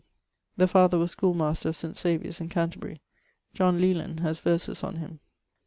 The father was schoolmaster of St. Saviour's in Canterbury. John Leland haz verses on him.